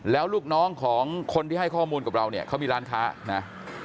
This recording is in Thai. แล้วลูกน้องของคนที่ให้ข้อมูลกับเราเนี่ยเขามีร้านค้านะ